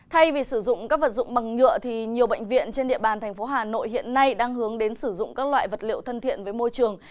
thay vì sử dụng các vật dụng bằng nhựa thì nhiều bệnh viện trên địa bàn thành phố hà nội hiện nay đang hướng đến sử dụng các loại vật liệu thân thiện với môi trường